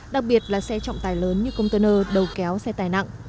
đặc biệt là xe trọng tài lớn như container đầu kéo xe tài nặng